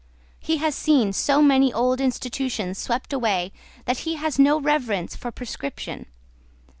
He has seen so many old institutions swept away, that he has no reverence for prescription.